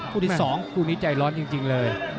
คู่ที่๒คู่นี้ใจร้อนจริงเลย